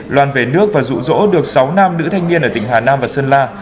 loan về nước và rụ rỗ được sáu nam nữ thanh niên ở tỉnh hà nam và sơn la